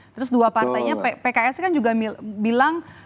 terus dua partainya pks kan juga bilang